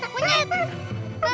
munyit jangan lari kamu